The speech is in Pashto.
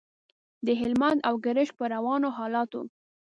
د هلمند او ګرشک پر روانو حالاتو.